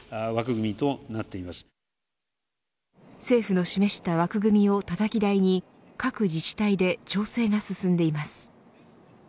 政府の示した枠組みをたたき台に各自治体で調整が進んでいます。